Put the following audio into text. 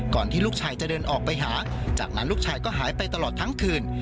ที่ลูกชายจะเดินออกไปหาจากนั้นลูกชายก็หายไปตลอดทั้งคืน